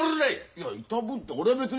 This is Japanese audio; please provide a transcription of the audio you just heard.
いやいたぶるって俺は別に。